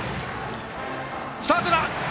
スタートだ！